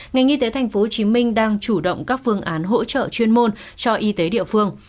ngành y tế tp hcm đang chủ động các phương án hỗ trợ chuyên môn cho y tế địa phương